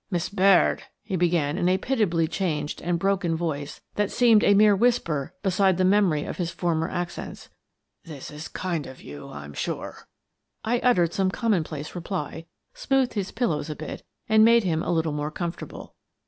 " Miss Baird," he began, in a pitiably changed and broken voice that seemed a mere whisper beside the memory of his former accents, "this is kind of you, I'm sure." I uttered some commonplace reply, smoothed his pillows a bit and made him a little more comfort able.